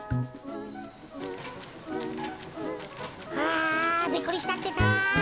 あびっくりしたってか。